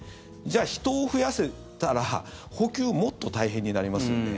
じゃあ、人を増やしたら補給、もっと大変になりますよね